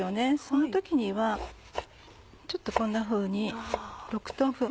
そんな時にはちょっとこんなふうに６等分。